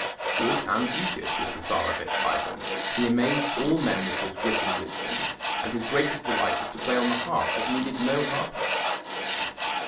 Good and beauteous was the Tsarevitch Ivan; he amazed all men with his wit and wisdom, and his greatest delight was to play on the harp that needed no harper.